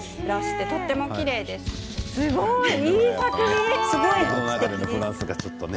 すごくいい作品。